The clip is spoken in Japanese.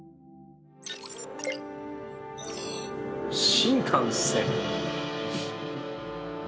新幹線。